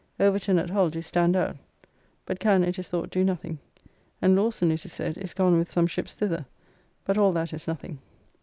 Overton at Hull do stand out, but can, it is thought, do nothing; and Lawson, it is said, is gone with some ships thither, but all that is nothing.